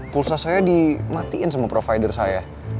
pulsa saya dimatiin sama provider saya